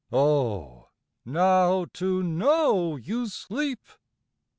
Oh, now to know you sleep!